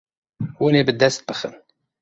Hûn ê bi dest bixin.